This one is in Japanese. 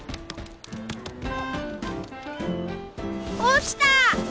落ちた！